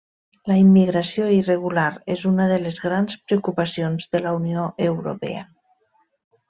La immigració irregular és una de les grans preocupacions de la Unió Europea.